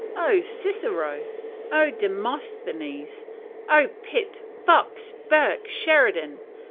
Oh, Cicero! Oh, Demosthenes! Oh, Pitt, Fox, Burke, Sheridan!